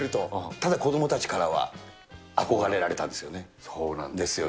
ただ子どもたちからは憧れられたそうなんですよ。